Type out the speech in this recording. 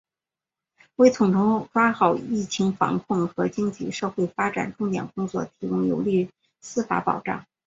为统筹抓好疫情防控和经济社会发展重点工作提供有力司法保障